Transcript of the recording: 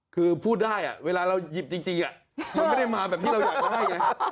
คือพูดได้เวลาเราหยิบจริงมันไม่ได้มาแบบที่เราอยากจะให้ไง